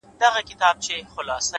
هڅاند انسان فرصتونه جوړوي!